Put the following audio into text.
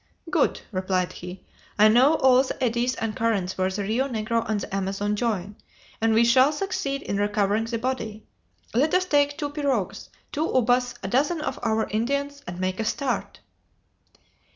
"Good!" replied he; "I know all the eddies and currents where the Rio Negro and the Amazon join, and we shall succeed in recovering the body. Let us take two pirogues, two ubas, a dozen of our Indians, and make a start."